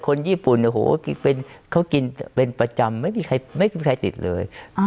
คนญี่ปุ่นเขากินเป็นประจำไม่มีใครติดเลย